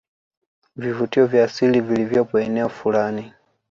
vivuvutio vya asili vilivyopo eneo fulani